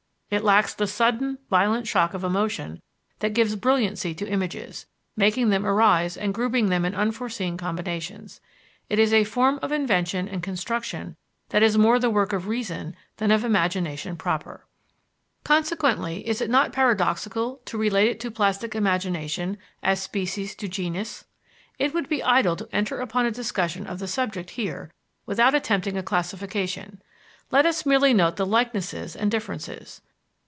It lacks the sudden, violent shock of emotion that gives brilliancy to images, making them arise and grouping them in unforeseen combinations. It is a form of invention and construction that is more the work of reason than of imagination proper. Consequently, is it not paradoxical to relate it to plastic imagination, as species to genus? It would be idle to enter upon a discussion of the subject here without attempting a classification; let us merely note the likenesses and differences.